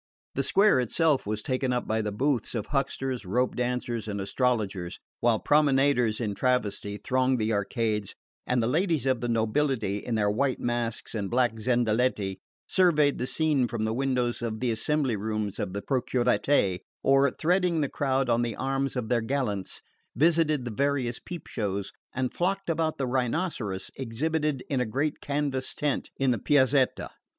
The square itself was taken up by the booths of hucksters, rope dancers and astrologers, while promenaders in travesty thronged the arcades, and the ladies of the nobility, in their white masks and black zendaletti, surveyed the scene from the windows of the assembly rooms in the Procuratie, or, threading the crowd on the arms of their gallants, visited the various peep shows and flocked about the rhinoceros exhibited in a great canvas tent in the Piazzetta.